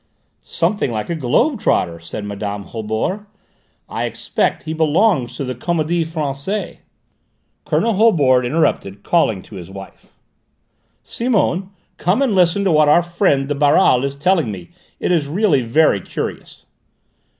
'" "Something like a globe trotter!" said Mme. Holbord. "I expect he belongs to the Comédie Française." Colonel Holbord interrupted, calling to his wife. "Simone, come and listen to what our friend de Baral is telling me: it is really very curious."